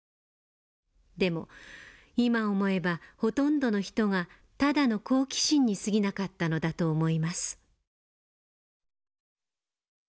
でも今思えばほとんどの人がただの好奇心にすぎなかったのだと思います」。